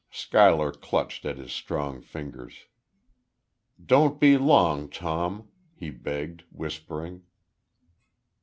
Schuyler clutched at his strong fingers. "Don't be long, Tom," he begged, whispering.